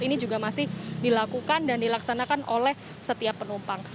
ini juga masih dilakukan dan dilaksanakan oleh setiap penumpang